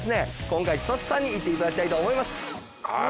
今回ちとせさんに行っていただきたいと思います。